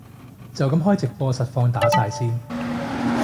就噉開直播實況打晒先